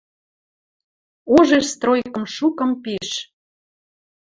Ужеш стройкым шукым пиш.